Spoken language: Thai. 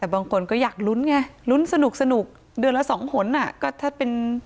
แต่บางคนก็อยากลุ้นไงลุ้นสนุกเดือนละสองหนอ่ะก็ถ้าเป็น